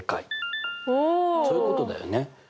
そういうことだよね。